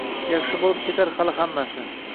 -Yaxshi bo’lib ketar hali hammasi…